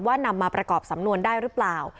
นำมาประกอบสำนวนได้หรือเปล่า